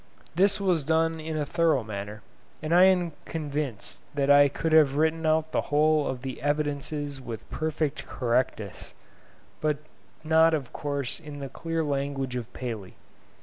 This was done in a thorough manner, and I am convinced that I could have written out the whole of the 'Evidences' with perfect correctness, but not of course in the clear language of Paley.